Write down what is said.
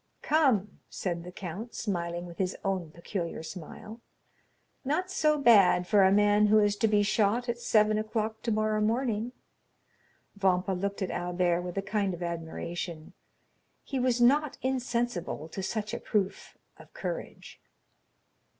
"Come," said the count, smiling with his own peculiar smile, "not so bad for a man who is to be shot at seven o'clock tomorrow morning." Vampa looked at Albert with a kind of admiration; he was not insensible to such a proof of courage.